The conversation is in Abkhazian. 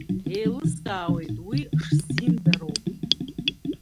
Еилыскаауеит уи шзиндароу.